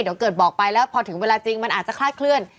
เดี๋ยวเกิดบอกไปแล้วพอถึงเวลาจริงมันอาจจะคลาดเคลื่อน